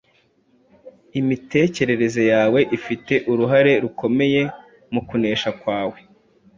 imitekerereze yawe ifite uruhare rukomeye mu kunesha kwawe.